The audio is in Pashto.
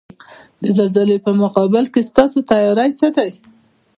د زلزلې په مقابل کې ستاسو تیاری څه دی؟